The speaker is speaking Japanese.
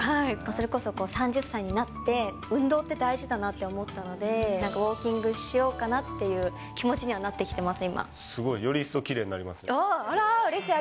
それこそ３０歳になって、運動って大事だなって思ったので、なんかウォーキングしようかなという気持ちにはなってきてます、すごい、より一層きれいになあらぁ、うれしい！